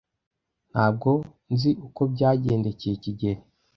Ntabwo nzi uko byagendekeye kigeli.